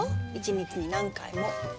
１日に何回も。